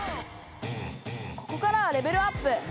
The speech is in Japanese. ここからはレベルアップ！